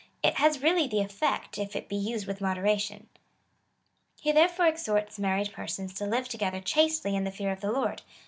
It has really the effect, if it be used with moderation. He therefore exhorts married persons to live together chastely in the fear of the Lord.